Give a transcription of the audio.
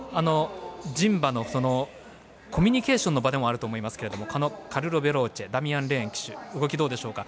人馬のコミュニケーションの場でもあると思いますけどカルロヴェローチェダミアン・レーン騎手動き、どうでしょうか？